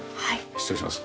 失礼します。